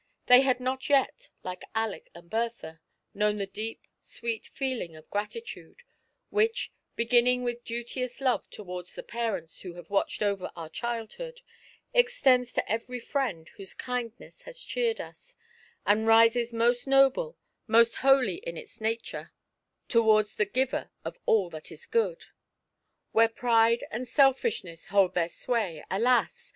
They had not yet^ like Aleck and Bertha, known the deep, sweet feeling of Gratitude, which, beginning with duteous love towards the parents who have watched over our childhood, extends to eveiy fnend whose kindness has cheered us, and rises most noble, most holv in its nature, tow^ards the Giver of all that is good. WTiere Pride and Sellishness hold their sway, alas!